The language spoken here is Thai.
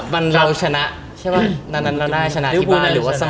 วันเราชนะใช่ป่ะน่าน่าน่าชนะที่บ้านหรือว่าเสมอ